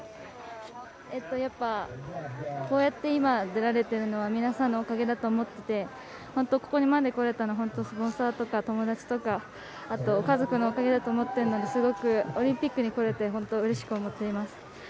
やっぱりこうやって今出られているのは皆さんのおかげだと思っていてここまでこれたのは、本当にスポンサーとか友達とか家族のおかげだと思っているのでオリンピックに来れて本当にうれしく思っています。